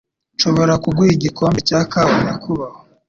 Nshobora kuguha igikombe cya kawa, nyakubahwa?